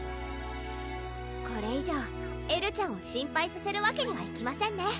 これ以上エルちゃんを心配させるわけにはいきませんね